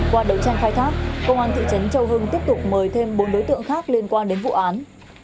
qua đấu tranh khai thác công an thị trấn châu hưng tiếp tục mời thêm bốn đối tượng khác liên quan đến vụ án